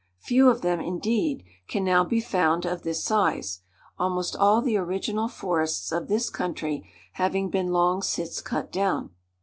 _Few of them, indeed, can now be found of this size: almost all the original forests of this country having been long since cut down.